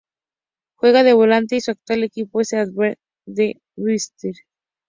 Juega de volante y su actual equipo es el Aberdeen de la Scottish Premiership.